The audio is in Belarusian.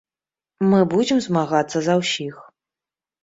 Мы будзем змагацца за ўсіх.